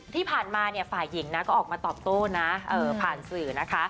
ที่ผ่านมาฝ่ายหญิงนะก็ออกมาตอบโต้นะผ่านสื่อนะคะ